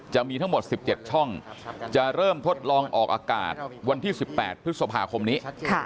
จะมีทั้งหมด๑๗ช่องจะเริ่มทดลองออกอากาศวันที่๑๘พฤษภาคมนี้